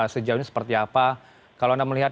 sejauh ini seperti apa kalau anda melihat